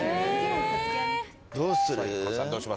どうする？